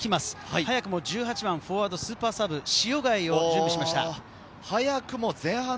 早くも１８番、フォワード、スーパーサブ・塩貝を準備しました。